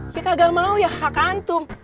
ya kagak mau ya hak antum